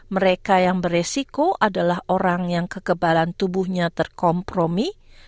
mereka yang beresiko adalah orang yang kekebalan tubuhnya terkomplikasi